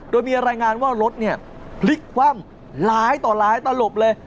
โดยมีรายงานว่ารถเนี่ยพลิกคว่ำหลายต่อหลายตลบเลย